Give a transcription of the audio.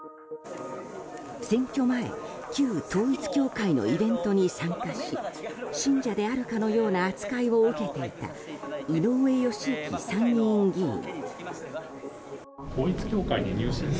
選挙前旧統一教会のイベントに参加し信者であるかのような扱いを受けていた井上義行参議院議員。